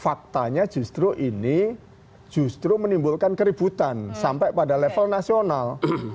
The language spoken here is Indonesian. faktanya justru ini justru menimbulkan keributan sampai pada level nasional